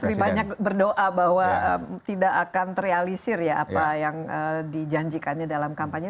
lebih banyak berdoa bahwa tidak akan terrealisir ya apa yang dijanjikannya dalam kampanye